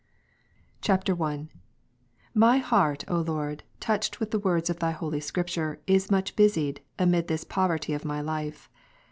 [I.] 1. My heart, O Lord, touched with the words of Thy holy Scripture, is much busied, amid this poverty of my life.